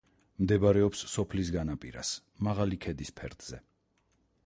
მდებარეობს სოფლის განაპირას, მაღალი ქედის ფერდზე.